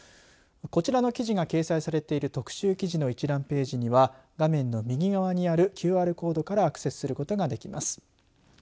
こちらの記事が掲載されている特集記事の一覧ページには画面の右側にあるＱＲコードからアクセスすることができます。